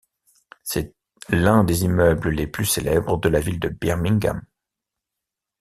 C'est l'un des immeubles les plus célèbres de la ville de Birmingham.